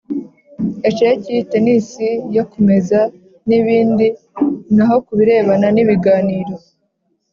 Esheki tenisi yo kumeza n ibindi naho ku birebana n ibiganiro